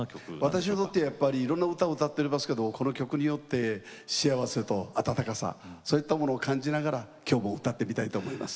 私にとってやっぱりいろんな歌を歌っておりますけどこの曲によって幸せと温かさそういったものを感じながら今日も歌ってみたいと思います。